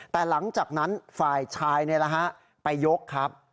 แต่หลังจากนั้นฝ่ายชายไปยกครับ